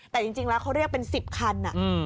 แต่จริงแล้วเขาเรียกเป็น๑๐คัน